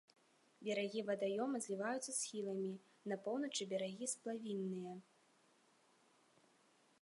Берагі вадаёма зліваюцца з схіламі, на поўначы берагі сплавінныя.